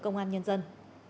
công an nhân dân